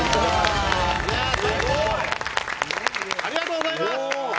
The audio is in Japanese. ありがとうございます！